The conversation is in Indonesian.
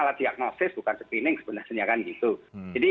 ini kan tidak ada urgensinya untuk menangkap pcr misalnya sebagai alat untuk screening